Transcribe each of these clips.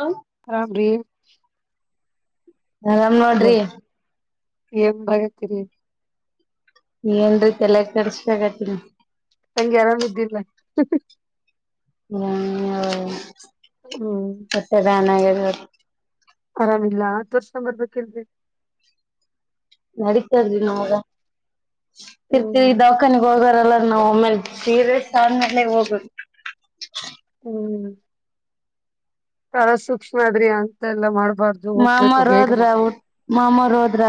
ಹಾ ಅರಾಮ ರೀ ಆರಾಮ ನೋಡ್ರಿ ಏನ್ ಬರೆದ್ರಿ ಏನ್ ತಲೆ ಕೆಡಿಸ್ಕೊತಿಲ್ಲ ತಂಗೆ ಆರಾಮ ಇದ್ದಿ ಇಲ್ಲೇ ಹ್ಮ್ [unintelligible] ಆರಾಮಿಲ್ಲಾ ತೊರ್ಸಿಕೊಂಡ ಬರ್ಬೇಕಿಲ್ರಿ. ನಡಿತದ್ರಿ ನಮಗಾ ಹ್ಮ್ ಇರ್ತಿವಿ ದವಾಖಾನಿಗ್ ಹೋಗಾರಲ್ಲ ನಾವ್ ಒಮ್ಮೇ ಸೀರಿಯಸ್ ಆದ್ಮೇಲೆ ಹೋಗುದು. ಹ್ಮ್ ಬಾಳ ಸೂಕ್ಷ್ಮ ಆದ್ರಿ ಅಂತೆ ಎಲ್ಲ ಮಾಡಕೊ ಮಾಮಾರ ಹೋದ್ರಊ ಮಾಮಾರ ಹೋದ್ರ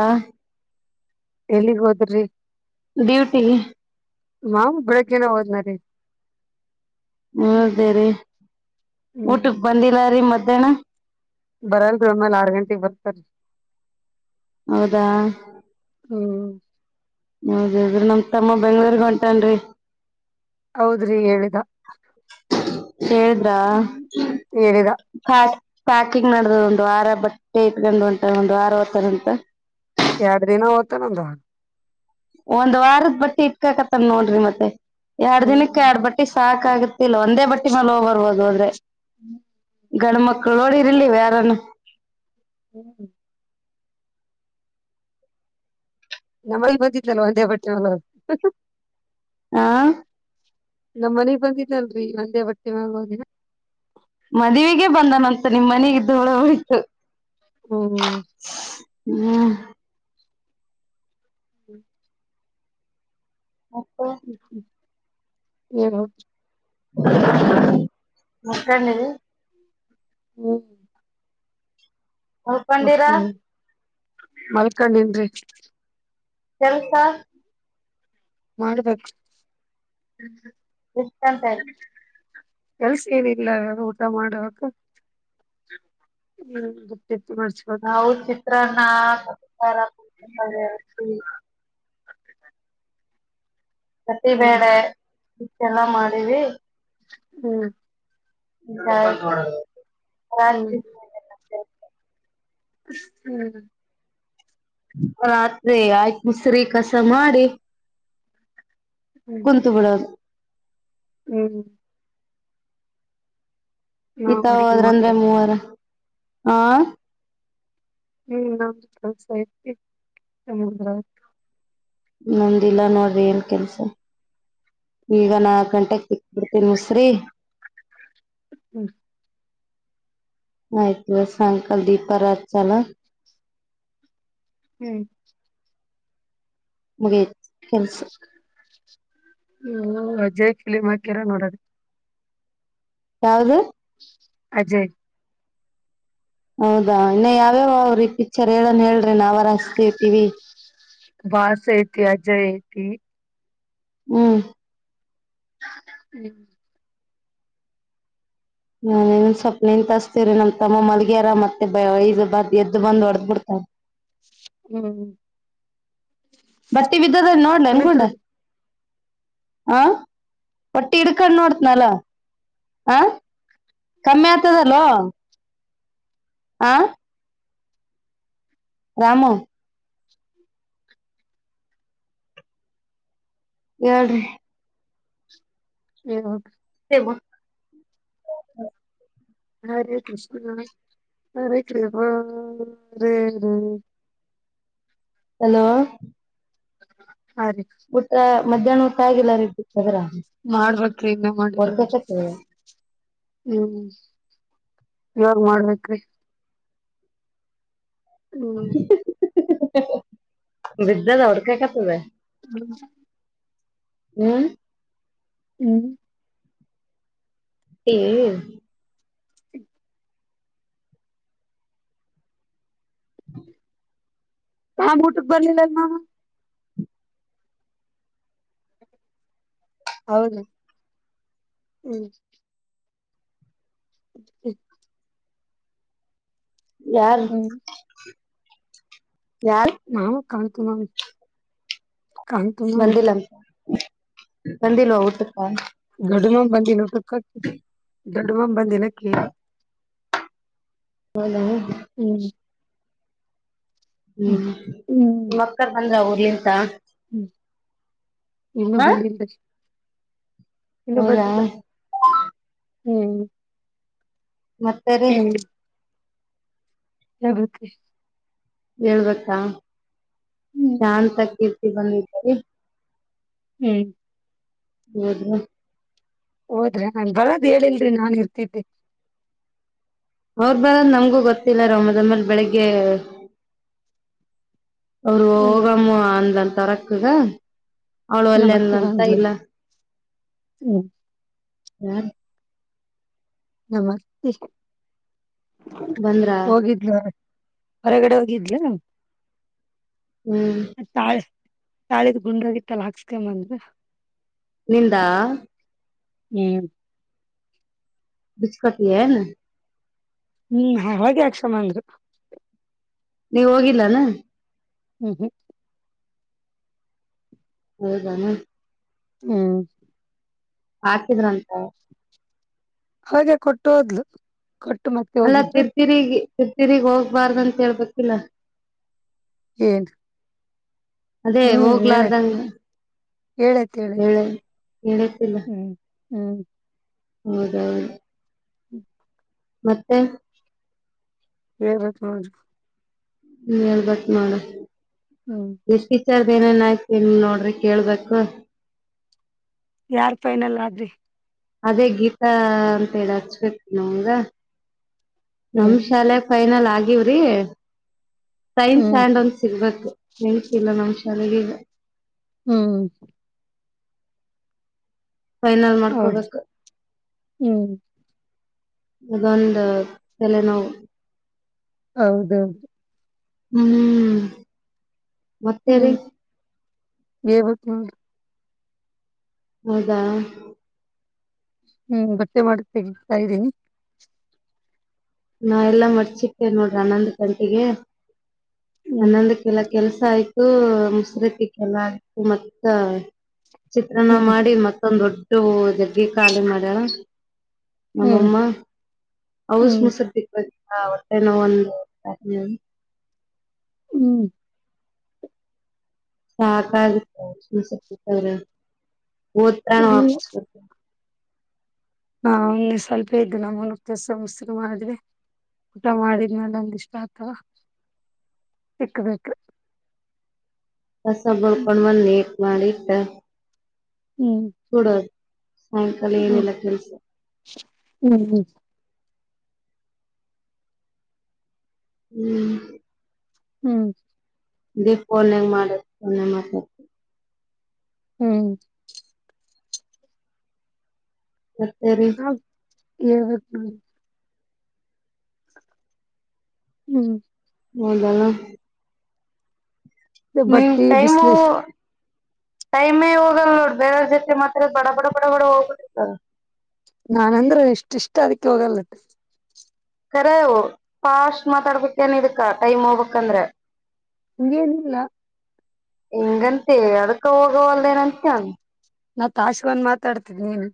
ಎಲ್ಲಿಗ್ ಹೋದ್ರಿ? ಡ್ಯೂಟಿಗೆ ಮಾವು ಬೆಳಿಗ್ಗೆನೆ ಹೋದ್ರ ಹೌದುರಿ [unintelligible] ಹ್ಮ್ ಊಟಕ್ ಬಂದಿಲ್ಲ ರೀ ಮಧ್ಯಾಹ್ನ. ಬರಲ್ರಿ ಆಮೇಲೆ ಆರ್ ಗಂಟೆಗೆ ಬರತಾರಿ. ಹೌದಾ ಹ್ಮ್ ಹೌದ ಹೌದರಿ ನಮ್ ತಮ್ಮ ಬೆಂಗಳೂರಿಗ ಹೊಂಟಾನರಿ. ಹೌದ್ರಿ ಹೇಳಿದ ಹೇಳದಾ ಹ್ಮ್ ಹೇಳಿದ ಪ್ಯಾಕ ಪ್ಯಾಕಿಂಗ್ ನಡದದ ಒಂದ ವಾರಾ ಬ ಟ್ರಿಪ್ ಹೊಂಟಾರ ಒಂದು ವಾರ ಹೋಗ್ತಾರಂತ [inaudible] ಒಂದ್ ವಾರದ ಬಟ್ಟಿ ಇಟ್ಕಕತ್ತನ್ ನೋಡ್ರಿ ಮತ್ತೆ ಹ್ಮ್ ಗೊತ್ತಿಲ್ಲ ಒಂದೇ ಬಟ್ಟಿ ಮ್ಯಾಲ ಹೋಗೊವರ ಹೋದ ಹೋದ್ರೆ. [inaudible] ಗಂಡ ಮಕ್ಳ ನೋಡಿರ ಇಲ್ಲ ನೀವ ಯಾರಾನ ಹ್ಮ್ [unintelligible] ನಮ್ಮಲ್ಲ ಬಂದಿದ್ದಲ್ಲ ಒಂದೇ ಬಟ್ಟೆ ಹೊಲದ ಹಾಂ ನಮ್ಮ ಮನಿಗ್ ಬಂದಿದ್ದಲ್ಲರಿ ಒಂದೇ ಬಟ್ಟಿ ಮ್ಯಾಗ ಹೊಗಿನ ಮದುವಿಗ ಬಂದಾನಂತ ನಿಮ್ಮ ಮನೆಗಿ ದುಳ ಉಯ್ತ ಹ್ಮಂ ಹ್ಮ್ [inaudible] ಮತ್ತೆ [unintelligible] ಮಕ್ಕನಲ್ [unintelligible] ಹ್ಮ್ ಮಲ್ಲಕೊಂಡಿರಾ ಮಲ್ಕಂಡಿನ್ರಿ ಕೆಲಸಾ ಮಾಡ್ಬೇಕ ಇಷ್ಟಂತಾರಿ ಕೆಲ್ಸ ಎನ ಇಲ್ಲ ಅದ ಊಟಾ ಮಾಡಬೇಕು ಬಟ್ಟಿ ಮಡಚಬೇಕ ನಾಾರಷ [unintelligible] ಹ್ಮ್ ಕತ್ತಿಬೇಳೆ [unintelligible] ಇಷ್ಟೆಲ್ಲ ಮಾಡಿವಿ ಹ್ಮ್ ಹಮ್ ಹ್ಮ್ ಆತ್ರಿ ನೋಡ್ರಿ ಎಲ್ಲ. ಹ್ಮ್ ರಾತ್ರಿ ಆಯ್ತು ಮುಸ್ರಿ ಕಸ ಮಾಡಿ ಹ್ಮ್ ಕುಂತ್ ಬಿಡ ಹ್ಮ್ ನಾವ್ ಈತದ್ರಂದ್ರ ಅಡಿಗೆ ಅದರಂತೆ ಮಾಡ್ಬೇಕು ಮೂವರ ಹಾ ನಿ್ಮನ ಸಾಹಿತ್ಯಕ್ಕೆ ತಗೊಂದ್ರಾ. ನೊಂದಿಲ್ಲ ನಾವೇನ ಕೆಲಸ. ಈಗ ನಾಕು ಗಂಟೆಕ ಬಿಸ್ಕೆಟ್ ತಿನಸ್ರಿ. ಹ್ಮ್ ಆಯ್ತು ಬ ಸಾಯಂಕಾಲ ದೀಪಾರ ಹಚ್ಚೋಣ ಹ್ಮ್. ಮುಗಿತ ಕೆಲ್ಸ ಹ್ಮ ಅಜಯ್ ಫಿಲಂ ಹಾಕ್ಯಾರ ನೋಡ. ಯಾವುದು ಅಜಯ್ ಹೌದಾ ಇನ್ನು ಯಾವ್ಯಾವ ಅವ್ರ ಪಿಕ್ಚರ್ ಹೇಳರ ಹೇಳ್ರಿ ನಾವರ ಅಸ್ತಿವಿ ಟಿವಿ. ಬಾಸ್ ಐತಿ ಅಜ್ಜಯ್ ಐತಿ. ಹ್ಮ್ ಹ್ಮ್ ನ ಸ್ವಪ್ ನಿಂತಹಸ್ತೇವರಿ ನಮ್ ತಮ್ಮ ಮಲ್ಗ್ಯಾರ ಮತ್ತೆದು ಬದ್ ಎದ್ದು ಬಂದ್ ಹೊಡದ್ ಬಿಡ್ತಾರ. [unintelligible] [inaudible] ಹ್ಮ್ ಬಟ್ಟಿ ಬಿದ್ದದ ನೋಡ್ಲ ಏನ್ ಪುನೀತ್ ಗುಂಡ. ಹ ಬಟ್ಟಿ ಹಿಡ್ಕೊಂಡ ನೋಡ್ತನಲ ಹ ಕಮ್ಮಿ ಆಗ್ತದಲೋ. ಆ ರಾಮು. ಹೇಳ್ರಿ ಏನ್. [unintelligible] [inaudible] ಹರೆೇ ಕೃಷ್ಣ ಹರೆೇ ರಾಮ ಹರೇ ಹರೇ ಹಲೋ. ಹಾದಿ ಮಧ್ಯಾಹ್ನ ಊಟ ಆಗಿಲ್ಲ ನಿಮ್ದು. ಮಾಡ್ಬೇಕ ಇನ್ನೆ ಮಾಡಿಲ್ ನೋಡ್ರಿ. ಹೊಡ್ಕಕತ್ತದ [unintelligible] ಹ್ಮ್ ಇವಾಗ ಮಾಡ್ಬೇಕ್ರೀ. ಹೂ. ಬಿದ್ದದ ಹೊಡ್ಕಕತದ [unintelligible] ಹ. [unintelligible] ಹ್ಮ್ ಹ್ಮ್ ಹೂ ಹ್ಮ. ಹ್ಯಾಂಗ್ ಊಟ ಬರಲಿಲ್ಲ ಅಣ್ಣ ಅವ [unintelligible] ಹೌದು ಹ್ಮ್. [unintelligible] [inaudible] ಯಾರು. ಹ್ಮ್ ಯಾರು ಕಾಣಂತು ನ ಕಾಣಂತು ನ [unintelligible] ಬಂದಿಲ್ವ ಊಟಕ್ಕ. ಗಡಮ ಬಂದಿನ ಟಕ್ಕ ಗಡ ಮ್ ಬಂದಿಲಾ ಕೇಳಿ ಹೌದಾ. ಹ್ಮ್ ಹ್ಮ್ ನಿಮ್ಮ ಅಕ್ಕವ್ರುಬಂದ್ರ ಊರ್ಲಿಂತ ಹ್ಮ್ ಇನ್ನು ಹ ಬಂದಿಲ್ಲ ಇನ್ನು ಹೌದಾ. ಹ್ಮ್. ಮತ್ತೆ ರೀ. ಹಾಗಗತ್ತೆ [inaudible] ಹೇಳ್ಬೇಕಾ ಹ್ಮ್ ಶಾಂತ ಕೀರ್ತಿ ಬಂದಿದರಿ [inaudible] ಹ್ಮ್ ಹೌದ [inaudible] ಹೋದ್ರಿ ನನ್ ಬರದ ಹೇಳಿಲ್ರರಿ ನಾನ್ ಇರ್ತಿದ್ದೆ ಅವ್ರ ಬರದು ನಮಗೂ ಗೊತ್ತಿಲ್ಲ ರಮ್ಮದಮೇಲ್ ಬೆಳಿಗ್ಗೆ ಅವರು ಹ್ಮ್ ಹೋಗಾಮ ಅಂತ ತರಕಗ ಅವಳು ನಮ್ಮ್ ಅಲ್ಲೆನ ಅತ್ತಿ ಅಂತ ಬಂದ್ಲು ಇಲ್ಲ ಹ್ಮ್ ನಮಸ್ತೆ ಬಂದ್ರ ಹೊರಗಡೆ ಹೋಗಿದ್ಲ ಹ್ಮ್ ತಾಳೆ ತಾಳಿದ ಗುಂಡೋಗಿತ್ತಲ್ಲ ಹಾಕ್ಸ್ಕಂಬಂದ ನಿಂದ ಹ್ಮ್ ಬಿಚ್ಕಟ್ಟಿ ಹ್ಮ್ ಹಾಗೆ ಯಕ್ಷಷಮ ಅಂದರು ನೀವ ಹೋಗಿಲ್ಲಾನ ಹ್ಮ್ ಹ್ಮ್ ಹೌದಾನ ಹ್ಮ್ ಹಾಕಿದ್ರಂತ ಹಾಗೆ ಕೊಟ್ಟು ಹೋದ್ಲು ಕೊಟ್ಟು ಮತ್ತೆ ಅಲ್ಲಾ ಹೋಗಿದ್ರು ತಿರ್ತಿರಿಗಿ ತಿರ್ತಿರಿಗ್ ಹೋಗ್ಬಾರ್ದ ಅಂತ ಹೇಳ್ಬೇಕಿಲ್ಲ ಹಏನ್ [inaudible] ಅದೇ ಹ್ಮ್ ಹೇಳತ ಹೋಗ್ಲಾರ್ದಂಗ ಹೇಳತ ಹೇಳ ಹೇಳತಿ ಹ್ಮ್ ಹ್ಮ್ ಮದ ಹ್ಮ್ [unintelligible] ಮತ್ತೆ ಹ ನೋಡ ಹೇಳ್ಬಕ ನೋಡ ಹ್ಮ್ ವಿಚರ್ದ ಏನೇನ್ ಆಯ್ತ ನೋಡ್ರಿ ಕೇಳ್ಬೇಕು ಯಾರ್ ಪೈನಲ್ಲ ಆದ್ರಿ ಅದೇ ಗೀತಾ ಅಂತೇಳಿ ಹಚ್ಬೇಕು ನಗ ನಮ್ ಹ್ಮ್ ಶಾಲೆ ಫೈನಲ್ ಆಗವ್ರಿ ಸೈನ್ಸ್ ಹ್ಮ್ ಆ್ಯಂಡ್ ಒಂದ ಸಿಗ್ಬೇಕು ನಿ ಇಲ್ಲ ನಾ ಶಾಲಗಗ ಹ್ಮ್ ಫೈನಲ್ ಹೌದ್ರಿ ಮಾಡ್ಕೋಬೇಕು ಹ್ಮ್ ಅದೊಂದು ತೆಲೆ ನೋವು ಹೌದೌದು ಹ್ಮ್ ಮತ್ತೇರಿ ಯ ಬತ [inaudible] ಹೌದಾ ಹ್ಮ್ ಬಟ್ಟೆ ಮಾಡ ತೆಗತಾ ಇದ್ದೀನಿ ನಾ ಎಲ್ಲಾ ಮರ್ಚಿಟ್ಟೇನೆ ನೋಡ್ರಿ ಆನ್ನಂದ ಗಂಟೆಗೆ ಹ್ಮ್ ಹನ್ನಂದಕ್ಕೆಲ್ಲ ಕೆಲ್ಸ ಆಯ್ತು ಮುಸ್ರತಿಕ್ಕೆಲ್ಲ ಆಯ್ತು ಮತ್ತ ಚಿತ್ರಣ ಹ್ಮ್ ಮಾಡಿ ಮತ್ತ ದಗ್ಗಿ ಖಾಲಿ ಮಾಡ್ಯಣ ಹ್ಮ್ ನಮ್ಮಮ್ಮ ಹಔಸ್ ಹ್ಮ್ ಮಸ ಹೊಟ್ಟೆನ ಒಂದು ಹ್ಮ್ ಸಾಕಾರ್ರ ಒತ್ತಾ [unintelligible] ಹಾ ಸ್ವಲ್ಪ ಇದ್ದ ನಮ್ಮನ ಕೆಸ ಮುಸ್ರು ಮಾಡಿದ್ರವಿ ಊಟ ಮಾಡಿದ್ನೇಲ ಒಂದ್ ಇಷ್ಟೊಂತು ಇಕ್ಬೇಕು. ಕಸ ಬಳ್ಕೊಂಡ್ ಬಂದ್ ನೀಟ್ ಮಾಡಿಟ್ಟ. ಕೊಡದು ಸಾಯಂಕಾಲ ಹ್ಮ್ ಏನಿಲ್ಲ ಕೆಲ್ಸ - ಹ್ಮ್ ಹ್ಮ್ ಹ್ಮ್ ಹ್ಮ್ ದೀಪ [unintelligible] ಮಾಡದ್ [unintelligible] ಮಾತಾ ಹ್ಮ್ ಮತ್ತೆ ರಿ ಹೇಳ್ಬೇಕು - ಹ್ಮ್ ಹೌದ ನೀಮ್ ಬಟ್ಟಿ ಟೈಮು ಬಿಸ್ಲಿ ಟೈಮೇ ಹೋಗಲ್ಲ ನೋಡ್ ಬೇರೆ ಅವ್ರು ಜೊತೆ ಮಾತ್ರ ಬಡ ಬಡ ಬಡ ಬಡ ಹೋಗ್ಬಿಟ್ಟಿರ್ತಾ- - ನಾನ್ಂದ್ರೆ ಎಷ್ಟ ಇಷ್ಟ ಅದಕ್ಕೆ ಹೋಗಲ್ಲ - - ಕರೆವು ಫಾಸ್ಟ್ ಮಾತಾಡ್ಬೇಕೇನ್ ಇದಕ್ಕ ಟೈಮ್ ಹೋಗ್ಬೇಕಕ್ಂದ್ರ, ಹಂಗೆನಿಲ್ಲಾ ಹಿಂಗಂತೆ ಅದಕ್ಕ ಹೋಗವಲ್ದೆ [unintelligible] ನಾವ್ ತಾಸ್ಗೊಂದ್ ಮಾತಾಡ್ತಾತ್ದಿವಿ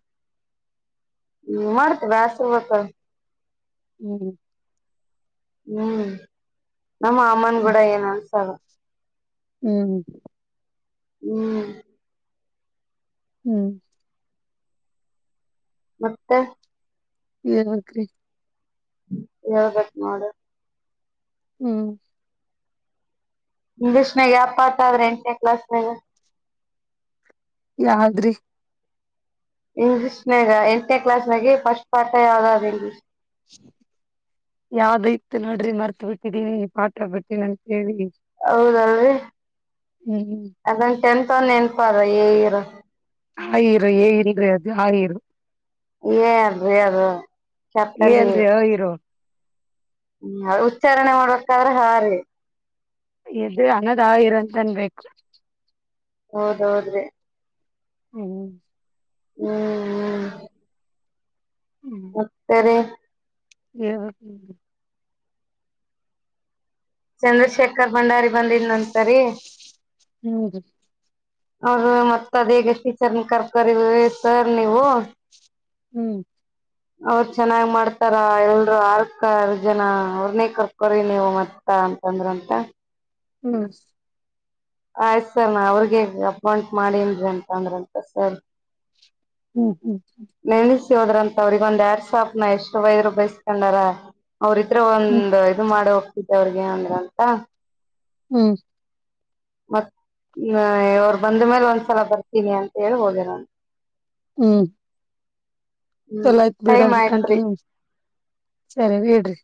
ಮಾಡ್ತ್ [unintelligible] ಹ್ಮ್ ಹ್ಮ್ ನಮ್ಮ ಅಮ್ಮನ್ ಅದ ಕೂಡ ಏನ್ ಅನ್ಸಲ್ - ಹ್ಮ್ ಹ್ಮ್ ಹ್ಮ್ ಮತ್ತೆ ಹೇಳ್ಬೇಕ್ ರಿ ಹೇಳ್ಬೇಕ್ ಮಾಡ ಹ್ಮ್ ಇಂಗ್ಲೀಷ್ನಾಗ [unintelligible] ಆತ ಆದ್ರೆ ಎಂಟನೇ ಕ್ಲಾಸ್ನಾಗ ಯಾದ್ರಿ ಇಂಗ್ಲೀಷ್ನಾಗ ಎಂಟನೇ ಕ್ಲಾಸ್ ನಾಗ ಫಸ್ಟ್ ಪಾಠ ಯಾವ್ದಾದ್ ಇಂಗ್ಲೀಷ್ - - ಯಾವ್ದ ಇತ್ ನೋಡ್ರಿ ಮರ್ತ್ ಬಿಟ್ಟಿದೀನಿ ಪಾಠ ಬಿಟ್ಟೀನಿ ಅಂತ ಹೇಳಿ. ಹೌದ [unintelligible] ಹ್ಮ್ ಎಂತ ನೆನ್ಪಾರ ಏ [unintelligible] ಏ ಸತಲ್ಲಿ ಅಲ್ರಿ ಅ ಇರು ಹ್ಮ ಉಚ್ಚಾರಣೆ ಮಾಡ್ಬೇಕಾದ್ರೆ ಹಾರಿ. [unintelligible] ಅನ್ನದ ಇರನ್ತನ್ಬೇಕು ಹೌದೌದ್ರಿ ಹ್ಮ ಹ್ಮ್ ಮತ್ತೆರಿ ಹ್ಮ ಚಂದ್ರಶೇಖರ್ ಭಂಡಾರಿ ಬಂದಿದ್ನಂತರಿ ಹ್ಮ್ ಅವ್ರ ಮತ್ತ ಅದೇಗ ಎಷ್ಟಟೀಚರ್ ಕರ್ಕರಿ ಸರ್ ನೀವು ಹ್ಮ್ ಅವರು ಚೆನ್ನಾಗ್ ಮಾಡ್ತಾರ ಎಲ್ರು ಆರ್ಕರ್ ಜನ ಅವ್ರನೆೇ ಕರ್ಕೋ್ರಿ ನೀವು ಮತ್ತ ಹ ಅಂತಂದ್ರಂತ ಹ್ಮ ಆಯ್ತತ್ ಸರ್ ನಾ ಅವ್ರಿಗೆ ಅಪಾಯಂಟ್ ಮಾಡೇನ್ಿ ಅಂತಂದ್ರಂತ ಸರ್ ಹ್ಮ್ ಹ್ಮ್ ಹ ನೆನೆಸಿ ಹೋದ್ರಂತ ಅವ್ರಗ ಒಂದ್ ಯಾರ್ ಶಾಪ್ ನ ಎಷ್ಟು ವೈದರು ಬೈಸ್ಕೊಂಡಾರ ಅವ್ರದ್ರ ಹ್ಮ್ ಒಂದ ಇದು ಮಾಡ ಹೋಗ್ತಿದ್ದ ಅವ್ರಿಗೆ ಅಂದ್ರ ಅಂತ ಹ್ಮ್ ಮತ್ತ ಅವರು ಬಂದ ಮೇಲೆ ಒಂದ್ಸಲ ಬರ್ತೀನಿ ಅಂತ ಹೇಳಿ ಹದೆ ನಾನು ಹ್ಮ್ ಹ್ಮ್ ಚಲ ಆಯ್ತು ಟೈಮ್ ಬೇಡ್ರಿ ಆಯ್ತ್ರಿ ಕಂಟಿನ್ಯೂ ಸರಿ ಬಿಡ್ರಿ